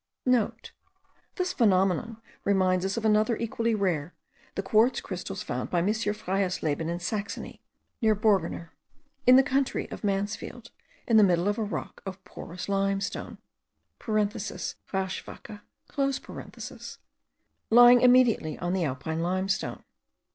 *(* This phenomenon reminds us of another equally rare, the quartz crystals found by M. Freiesleben in Saxony, near Burgorner, in the county of Mansfeld, in the middle of a rock of porous limestone (rauchwakke), lying immediately on the alpine limestone.